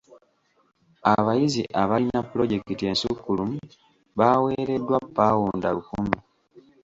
Abayizi abalina pulojekiti ensukkulumu baaweereddwa paawunda lukumi.